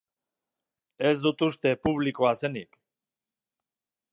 Ez dut uste publikoa zenik.